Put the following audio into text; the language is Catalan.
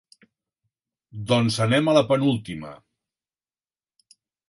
Doncs anem a la penúltima.